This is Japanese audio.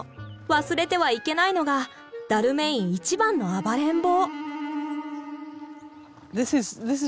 忘れてはいけないのがダルメイン一番の暴れん坊。